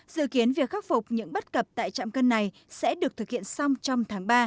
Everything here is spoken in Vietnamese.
dự kiến việc khắc phục những bất cập tại trạm cân này sẽ được thực hiện xong trong tháng ba